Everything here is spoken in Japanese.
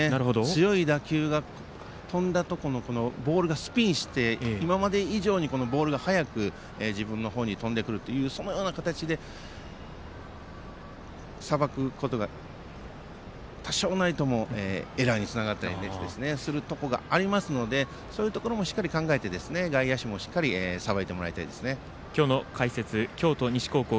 強い打球が飛んだところのボールがスピンして今まで以上にボールが速く自分の方に飛んでくるというそのような形でさばくことが多少なりともエラーにつながったりするところがありますのでそういうところもしっかり考えて外野手もしっかりとさばいてほしいですね。